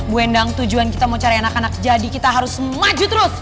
bu endang tujuan kita mau cari anak anak jadi kita harus maju terus